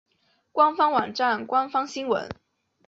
官方网站官方新闻